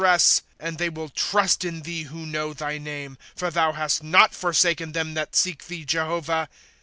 Google ^^ And they will trust in thee who know thy name, For thou hast not forsaken them that seek thcc, Jehovah.